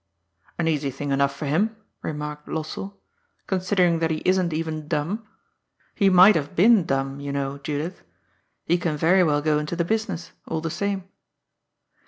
"An easy thing enough for him," remarked Lossell, " considering that he isn't even dumb. He might have been dumb, you know, Judith. He can very well go into the business, all the same."